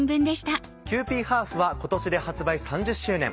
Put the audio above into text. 「キユーピーハーフ」は今年で発売３０周年。